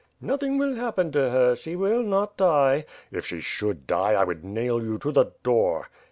'Nothing will happen to her; she will not die." "If she should die, I would nail you to the door!"